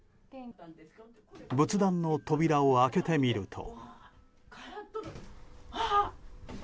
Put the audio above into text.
仏壇の扉を開けてみると。